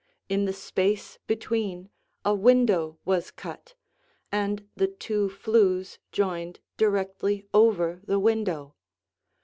In the space between, a window was cut, and the two flues joined directly over the window.